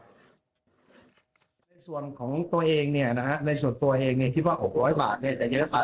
ในส่วนของตัวเองเนี่ยนะฮะในส่วนตัวเองเนี่ยคิดว่า๖๐๐บาทเนี่ยจะเยอะไป